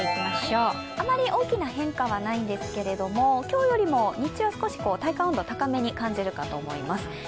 あまり大きな変化はないんですけれども今日よりも日中は少し体感温度、高めに感じると思います。